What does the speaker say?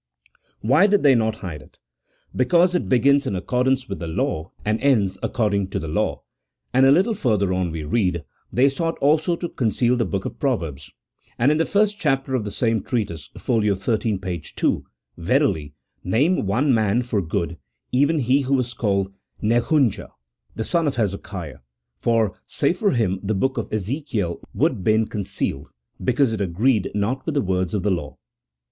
Why did they not hide it ? Because it begins in accordance with the law, and ends according to the law ;" and a little further on we read :" They sought also to conceal the book of Proverbs." And in the first chapter of the same treatise, fol. 13, page 2 :" Verily, name one man for good, even he who was called Neghunja, the son of Hezekiah: for, save for him, the book of Ezekiel would been concealed, because it agreed not with the words of the law."